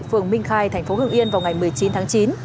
phường minh khai tp hưng yên vào ngày một mươi chín tháng chín